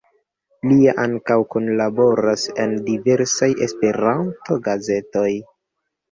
Lia ankaŭ kunlaboras en diversaj Esperanto-gazetoj.